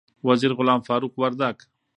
وزیر غلام فاروق وردک